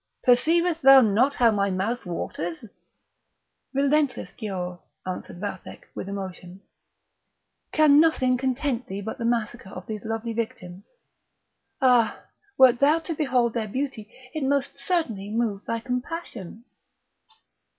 perceivest thou not how my mouth waters?" "Relentless Giaour!" answered Vathek, with emotion, "can nothing content thee but the massacre of these lovely victims! Ah! wert thou to behold their beauty it must certainly move thy compassion."